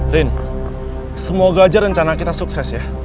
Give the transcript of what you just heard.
rin semoga aja rencana kita sukses ya